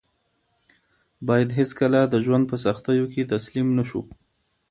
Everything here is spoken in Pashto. باید هېڅکله د ژوند په سختیو کې تسلیم نه شو.